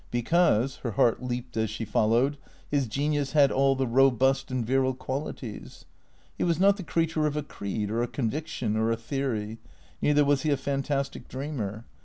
Because (her heart leaped as she followed) his genius had all the robust and virile qualities. He was not the creature of a creed, or a conviction, or a theory ; neither was he a fantastic dreamer.